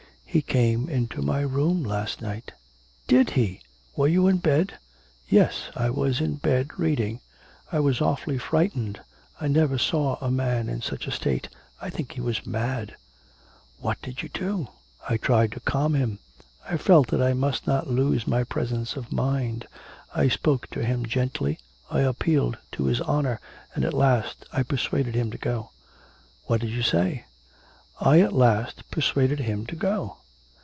'He came into my room last night.' 'Did he! were you in bed?' 'Yes; I was in bed reading. I was awfully frightened. I never saw a man in such a state. I think he was mad.' 'What did you do?' 'I tried to calm him. I felt that I must not lose my presence of mind. I spoke to him gently. I appealed to his honour, and at last I persuaded him to go.' 'What did you say?' 'I at last persuaded him to go.'